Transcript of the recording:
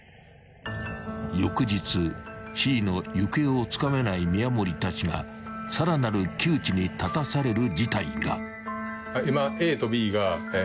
［Ｃの行方をつかめない宮守たちがさらなる窮地に立たされる事態が］